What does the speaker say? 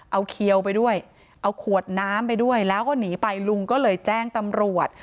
เอาเขียวไปด้วยเอาขวดน้ำไปด้วยแล้วก็หนีไปลุงก็เลยแจ้งตำรวจ